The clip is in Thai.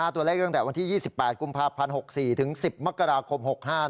ตัวเลขตั้งแต่วันที่๒๘กุมภาพันธ์๖๔ถึง๑๐มกราคม๖๕